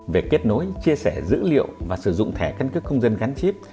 về kết nối chia sẻ dữ liệu và sử dụng thẻ căn cức không dân gắn chip